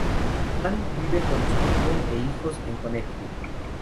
Mann vive con su mujer e hijos en Connecticut.